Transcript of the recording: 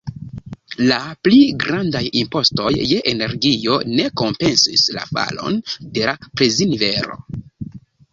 La pli grandaj impostoj je energio ne kompensis la falon de la preznivelo.